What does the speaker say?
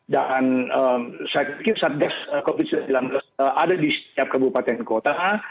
dan saya pikir satgas covid sembilan belas ada di setiap kabupaten dan kota